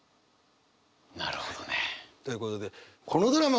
なるほどね。ということでこのドラマ